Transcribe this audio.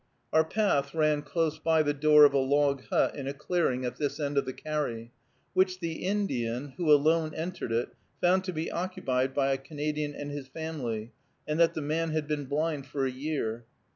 Our path ran close by the door of a log hut in a clearing at this end of the carry, which the Indian, who alone entered it, found to be occupied by a Canadian and his family, and that the man had been blind for a year.